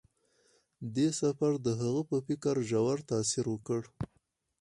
دې سفر د هغه په فکر ژور تاثیر وکړ.